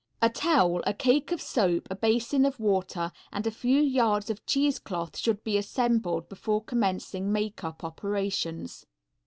A towel, a cake of soap, a basin of water and a few yards of cheese cloth should be assembled before commencing makeup operations.